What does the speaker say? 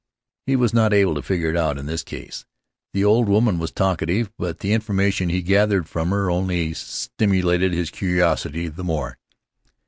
He was not able to figure it out in this case. The old woman was talkative; but the information he gathered from her only stimulated his curiosity the more.